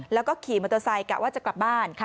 แล้วก็ขี่มอเตอร์ไซค์กะว่าจะกลับบ้าน